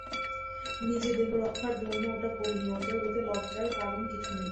নিজের দেহরক্ষার জন্যে ওটা পড়ি নে, অতএব এতে লজ্জার কারণ কিছু নেই।